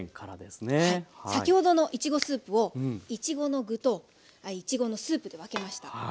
先ほどのいちごスープをいちごの具といちごのスープで分けました。